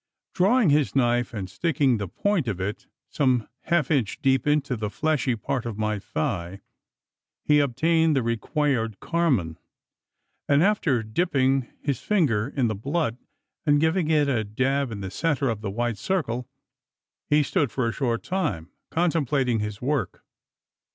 Drawing his knife, and sticking the point of it some half inch deep into the fleshy part of my thigh, he obtained the required "carmine"; and, after dipping his finger in the blood, and giving it a dab in the centre of the white circle, he stood for a short time contemplating his work.